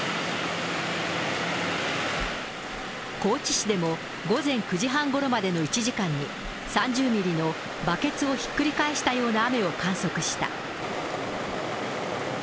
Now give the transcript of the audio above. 高知市でも午前９時半ごろまでの１時間に３０ミリのバケツをひっくり返したような雨を観測した。